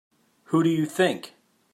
Who do you think?